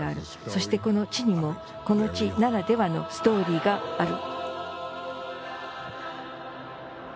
そして、この地にもこの地ならではのストーリーがある。